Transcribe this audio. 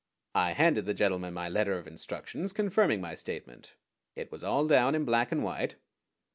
I handed the gentleman my letter of instructions, confirming my statement. It was all down in black and white.